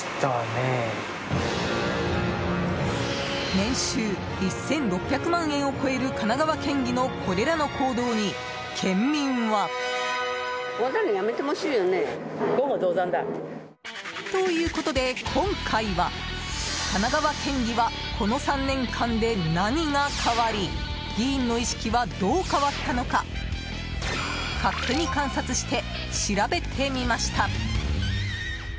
年収１６００万円を超える神奈川県議のこれらの行動に県民は。ということで今回は神奈川県議はこの３年間で何が変わり議員の意識は、どう変わったのか勝手に観察して調べてみました。